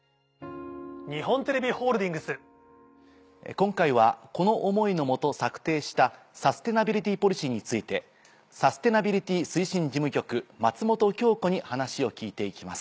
今回はこの想いの下策定したサステナビリティポリシーについてサステナビリティ推進事務局松本京子に話を聞いて行きます。